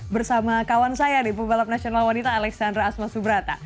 bersama kawan saya di pebalap nasional wanita alexandra asma subrata